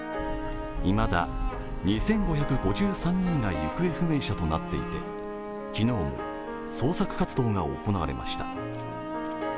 いまだ２５５３人が行方不明者となっていて昨日も捜索活動が行われました。